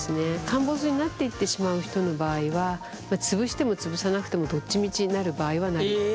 陥没になっていってしまう人の場合は潰しても潰さなくてもどっちみちなる場合はなるという。